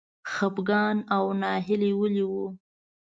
خپګان او ناهیلي ولې و؟